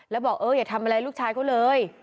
แล้วบอกเอออย่าทำอะไรลูกชายเขาเลย